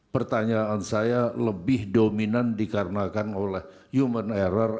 pertanyaan saya lebih dominan dikarenakan oleh human error